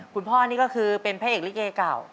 คุณพ่อนี่ก็คือเป็นพระเอกลิเกเก่า